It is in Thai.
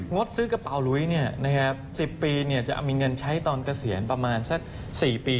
ซื้อกระเป๋าลุ้ย๑๐ปีจะมีเงินใช้ตอนเกษียณประมาณสัก๔ปี